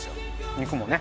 肉もね。